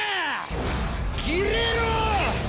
切れろ！